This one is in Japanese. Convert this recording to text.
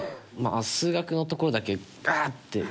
数学のところのだけ、ガーッて。